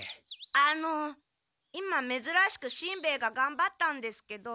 あの今めずらしくしんべヱががんばったんですけど。